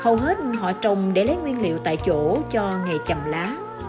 hầu hết họ trồng để lấy nguyên liệu tại chỗ cho nghề chầm lá